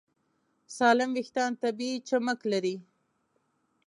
سالم وېښتيان طبیعي چمک لري.